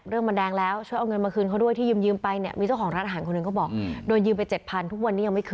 นี่แม่ต้องกู้เงินมาใช้หนี้นะ